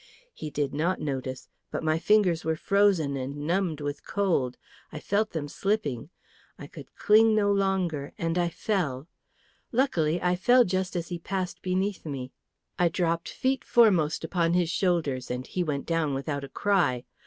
He did not notice; but my fingers were frozen and numbed with the cold. I felt them slipping; I could cling no longer, and I fell. Luckily I fell just as he passed beneath me; I dropped feet foremost upon his shoulders, and he went down without a cry.